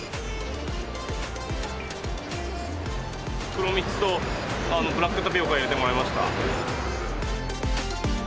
黒蜜とブラックタピオカ入れてもらいました。